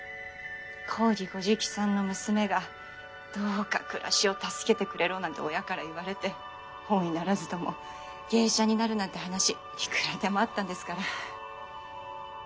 公儀ご直参の娘が「どうか暮らしを助けてくれろ」なんて親から言われて本意ならずとも芸者になるなんて話いくらでもあったんですから。